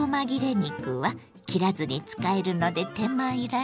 肉は切らずに使えるので手間いらずよ。